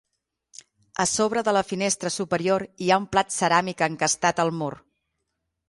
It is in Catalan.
A sobre de la finestra superior hi ha un plat ceràmic encastat al mur.